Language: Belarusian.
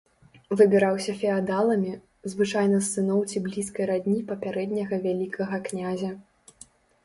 Выбіраўся феадаламі, звычайна з сыноў ці блізкай радні папярэдняга вялікага князя.